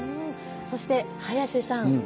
そして、早瀬さん。